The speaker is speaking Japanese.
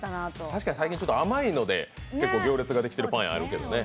確かに最近、甘いので行列できてるパン屋あるけどね。